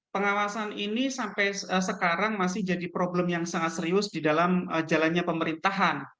pengawasan ini sampai sekarang masih jadi problem yang sangat serius di dalam jalannya pemerintahan